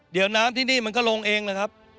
เดี๋ยวน้ำที่นี่มันก็ลงเองนะครับ